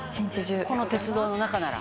「この鉄道の中なら？」